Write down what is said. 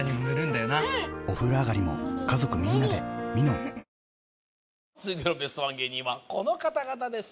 「オシャーメシ」続いてのベストワン芸人はこの方々です